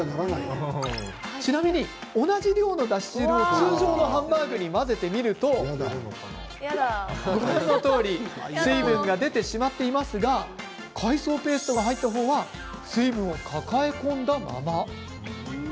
ちなみに同じ量のだし汁を通常のハンバーグに混ぜてみるとご覧のとおり水分が出てしまっていますが海藻ペーストが入った方は水分を抱え込んだまま。